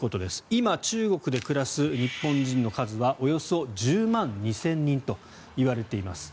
今、中国で暮らす日本人の数はおよそ１０万２０００人といわれています。